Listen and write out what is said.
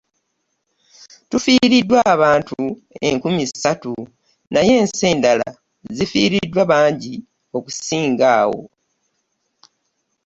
Tufiiriddwa abantu enkumi ssatu naye ensi endala zifiiriddwa bangi okusingako awo.